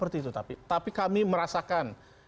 tapi kami merasakan